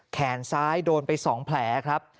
แขนซ้ายโดนไป๒แผลครับ